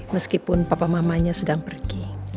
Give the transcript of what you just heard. meskipun papa mamanya sedang pergi